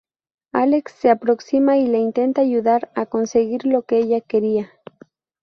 Alex se aproxima y le intenta ayudar a conseguir lo que ella quería.